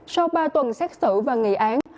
sau ba tuần xét xử và nghị án